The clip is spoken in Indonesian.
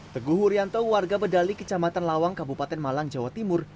teguh wuryanto warga bedali kecamatan lawang kabupaten malang jawa timur